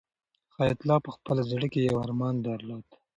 حیات الله په خپل زړه کې یو ارمان درلود.